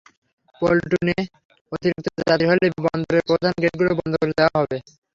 পন্টুনে অতিরিক্ত যাত্রী হলে বন্দরের প্রধান গেটগুলো বন্ধ করে দেওয়া হবে।